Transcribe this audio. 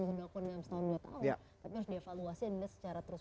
tapi harus dievaluasi dan dilihat secara terus